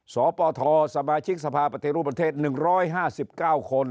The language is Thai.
สปธสมาชิกสภาพประเทศรุปเทศ๑๕๙คน